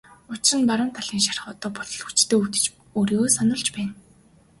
Учир нь баруун талын шарх одоо болтол хүчтэй өвдөж өөрийгөө сануулж байна.